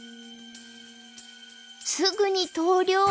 すぐに投了。